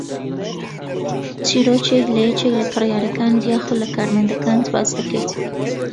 چیرۆکێک لە یەکێک لە کڕیارەکانت یاخوود لە کارمەندەکانت باس دەکەیت